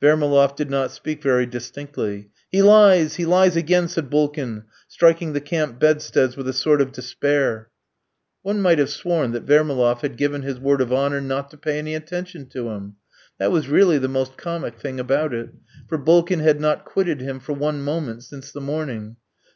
Vermaloff did not speak very distinctly. "He lies; he lies again," said Bulkin, striking the camp bedsteads with a sort of despair. One might have sworn that Vermaloff had given his word of honour not to pay any attention to him. That was really the most comic thing about it; for Bulkin had not quitted him for one moment since the morning.